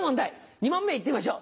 ２問目行ってみましょう。